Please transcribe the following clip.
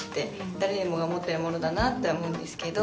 誰もが持ってるものだなって思うんですけど。